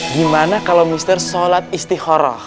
gimana kalau mr sholat istiqoroh